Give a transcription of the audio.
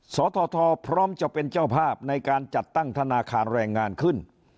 สทพร้อมจะเป็นเจ้าภาพในการจัดตั้งธนาคารแรงงานขึ้น